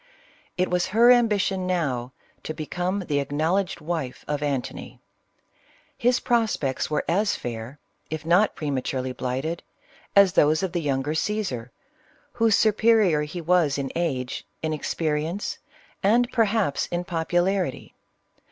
It was her ambition now, to become the acknowledged wife of Antony. His prospects were as fair, if not prematurely blighted, as those of the younger Caesar, whose superior he was in age, in expe rience, and, perhaps, in popularity.